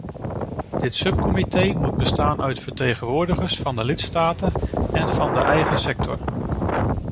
Dit subcomité moet bestaan uit vertegenwoordigers van de lidstaten en van de eigen sector.